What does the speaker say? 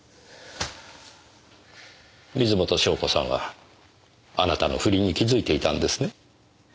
水元湘子さんはあなたの不倫に気づいていたんですね？